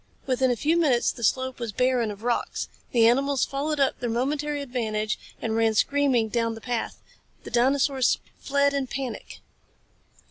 Within a few minutes the slope was barren of rocks. The animals followed up their momentary advantage and ran screaming down the path. The dinosaurs fled in panic.